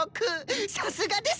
さすがです